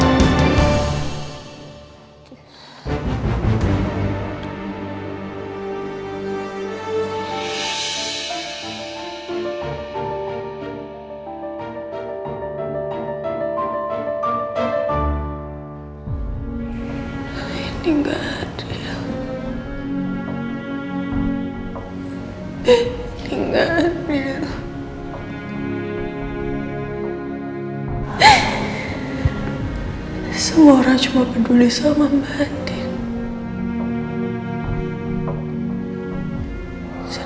aku udah hancur kayak gini tapi gak ada satu orangpun yang peduli sama gue